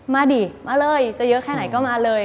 มาดิมาเลยจะเยอะแค่ไหนก็มาเลย